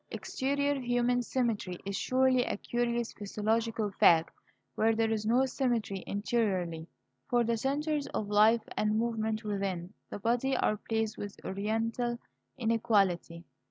Exterior human symmetry is surely a curious physiological fact where there is no symmetry interiorly. For the centres of life and movement within the body are placed with Oriental inequality.